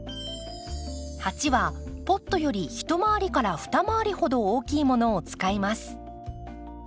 鉢はポットより１まわり２まわりほど大きいものを使います。